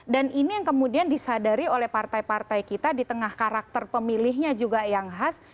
dan ini yang kemudian disadari oleh partai partai kita di tengah karakter pemilihnya juga yang khas